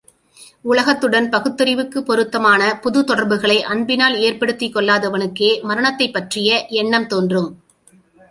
உலகத்துடன் பகுத்தறிவுக்குப் பொருத்தமான புதுத் தொடர்புகளை அன்பினால் ஏற்படுத்திக் கொள்ளாதவனுக்கே மரணத்தைப் பற்றிய எண்ணம் தோன்றும்.